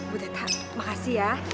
bu teh tak makasih ya